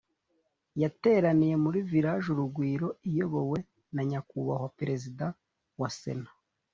Yateraniye muri village urugwiro iyobowe na nyakubahwa perezida wa sena